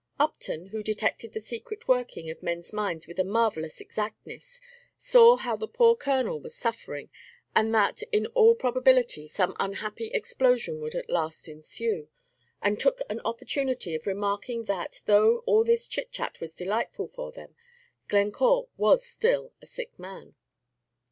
Upton, who detected the secret working of men's minds with a marvellous exactness, saw how the poor Colonel was suffering, and that, in all probability, some unhappy explosion would at last ensue, and took an opportunity of remarking that though all this chit chat was delightful for them, Glencore was still a sick man.